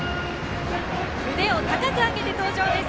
腕を高く上げて登場です。